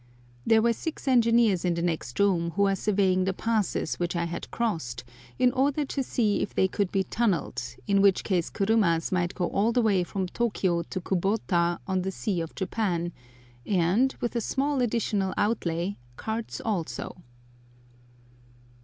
There were six engineers in the next room who are surveying the passes which I had crossed, in order to see if they could be tunnelled, in which case kurumas might go all the way from Tôkiyô to Kubota on the Sea of Japan, and, with a small additional outlay, carts also.